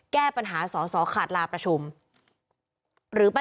แก้ปัญหาสอนขาดลาประชุม